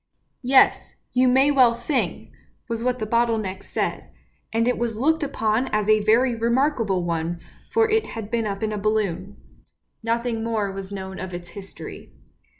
" Yes, you may well sing! " was what the bottle neck said; and it was looked upon as a very remarkable one, for it had been up in a balloon. Nothing more was known of its history.